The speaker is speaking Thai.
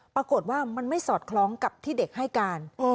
ปรากฏว่ามันไม่สอดคล้องกับที่เด็กให้การ